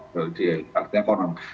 dia artinya konon